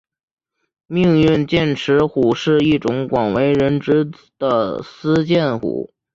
命运剑齿虎是一种广为人知的斯剑虎。